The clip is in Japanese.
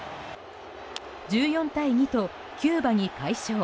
１４対２とキューバに快勝。